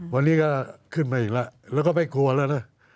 วันนี้ก็ขึ้นมาอีกแล้วแล้วก็ไม่กลัวแล้วนะ